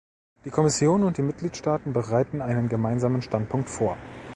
Die Kommission und die Mitgliedstaaten bereiten einen gemeinsamen Standpunkt vor.